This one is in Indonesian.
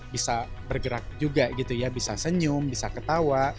bisa bergerak juga gitu ya bisa senyum bisa ketawa